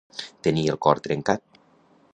Tenir el cor trencat.